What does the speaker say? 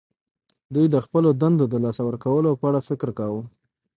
دوی د خپلو دندو د لاسه ورکولو په اړه فکر کاوه